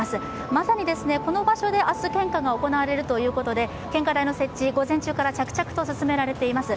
まさにこの場所で明日、献花が行われるということで、献花台の設置、午前中から着々と進められています。